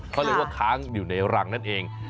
เขาเลยว่าค้างอยู่ในรังนั่นเอง